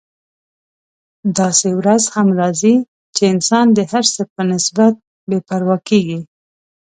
داسې ورځ هم راځي چې انسان د هر څه په نسبت بې پروا کیږي.